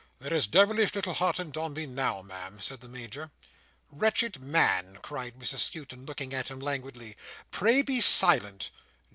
"There is devilish little heart in Dombey now, Ma'am," said the Major. "Wretched man!" cried Mrs Skewton, looking at him languidly, "pray be silent."